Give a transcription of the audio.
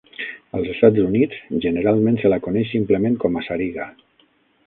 Als Estats Units, generalment se la coneix simplement com a sariga.